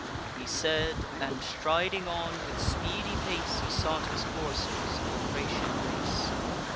He said, and striding on, with speedy pace, He sought his coursers of the Thracian race.